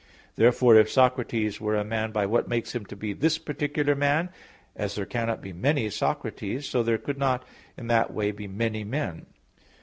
Therefore, if Socrates were a man by what makes him to be this particular man, as there cannot be many Socrates, so there could not in that way be many men.